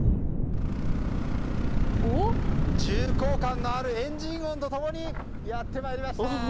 重厚感のあるエンジン音と共にやってまいりました！